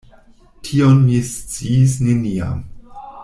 Tion mi sciis neniam.